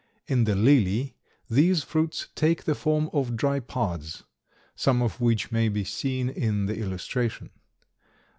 In the lily these fruits take the form of dry pods, some of which may be seen in the illustration.